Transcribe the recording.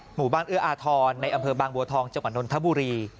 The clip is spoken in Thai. หมู่บ้านเอื้ออาทรในอำเภอบางบัวทองจังหวัดนนทบุรี